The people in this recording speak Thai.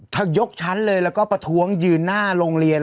ยกชั้นเลยแล้วก็ประท้วงยืนหน้าโรงเรียน